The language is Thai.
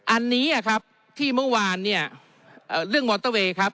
อันนี้ครับที่เมื่อวานเนี่ยเรื่องมอเตอร์เวย์ครับ